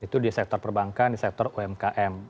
itu di sector perbankan di sector umkm